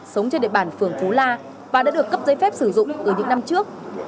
sống trên địa bàn phường phú la và đã được cấp giấy phép sử dụng ở những năm trước